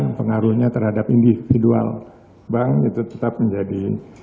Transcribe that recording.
dan pengaruhnya terhadap individual bank itu tetap menjadi